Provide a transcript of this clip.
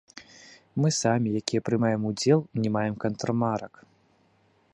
Мы самі, якія прымаем удзел, не маем кантрамарак!